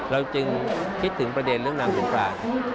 เราจึงคิดถึงประเด็นเรื่องนางสงกราน